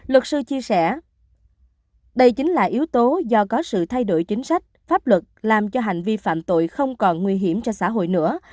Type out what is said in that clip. luật sư chia sẻ đây chính là yếu tố do có sự thay đổi chính sách pháp luật làm cho hành vi phạm tội không còn nguy hiểm cho xã hội nữa